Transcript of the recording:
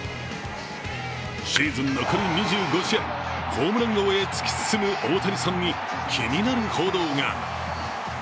シーズン残り２５試合、ホームラン王へ突き進む大谷さんに気になる報道が。